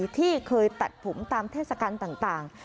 ที่เคยตัดผมตามเทศกาลต่าง